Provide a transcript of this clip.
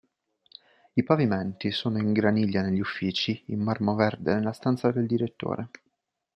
I pavimenti sono in graniglia negli uffici, in marmo verde nella stanza del direttore.